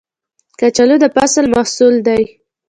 کچالو د فصل محصول دی